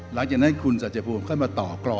หลังจากนั้นคุณสัจจภูมิเข้ามาต่อกร